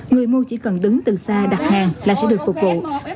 người mua chỉ cần đứng từ xa đặt hàng là sẽ được phục vụ